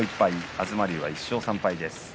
東龍は、１勝３敗です。